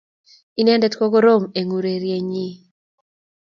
Inendet ko korom eng urerieny